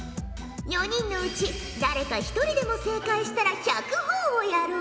４人のうち誰か一人でも正解したら１００ほぉをやろう。